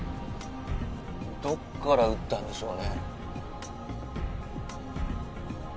どっから撃ったんでしょうね？